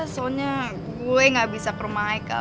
soalnya gue gak bisa ke rumah aika